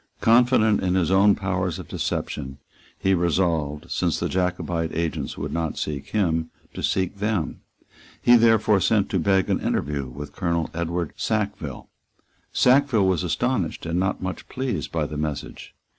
Confident in his own powers of deception, he resolved, since the Jacobite agents would not seek him, to seek them. He therefore sent to beg an interview with Colonel Edward Sackville. Sackville was astonished and not much pleased by the message.